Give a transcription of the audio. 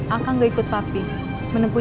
akang nggak ikut papi menempuh